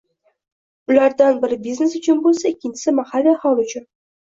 ulardan biri biznes uchun boʻlsa, ikkinchisi mahalliy aholi uchun.